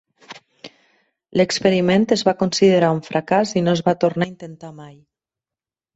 L'experiment es va considerar un fracàs i no es va tornar a intentar mai.